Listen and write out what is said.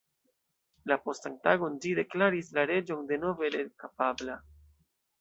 La postan tagon ĝi deklaris la reĝon denove reg-kapabla.